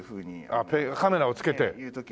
あっカメラを付けて。